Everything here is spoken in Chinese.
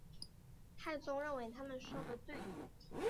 太宗认为他们说得对。